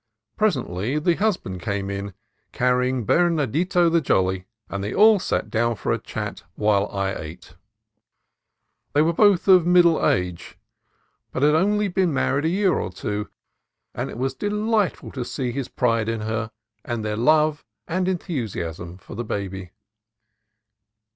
Presently the husband came in, carrying Bernardito the Jolly, and they all sat down for a chat while I ate. They were both of middle age, but had only been BERNARDITO THE JOLLY 95 married a year or two, and it was delightful to see his pride in her and their love and enthusiasm for the baby.